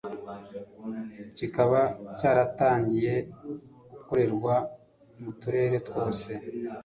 kikaba cyaratangiye gukorerwa mu turere twose